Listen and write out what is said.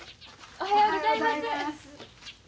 おはようございます。